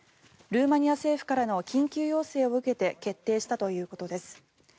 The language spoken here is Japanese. ルーマニア政府からの緊急要請を受けて決定したということです。